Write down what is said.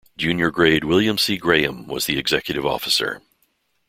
Junior Grade William C. Graham was the executive officer.